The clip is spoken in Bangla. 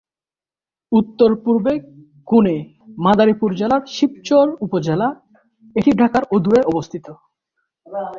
উত্তর পূর্ব কোনে মাদারীপুর জেলার শিবচর উপজেলা এটি ঢাকার অদূরে অবস্থিত।